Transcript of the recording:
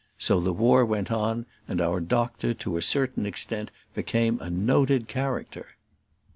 So the war went on, and our doctor, to a certain extent, became a noted character.